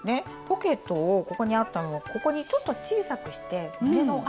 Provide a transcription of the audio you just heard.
ポケットをここにあったのをここにちょっと小さくして胸の辺りにつけました。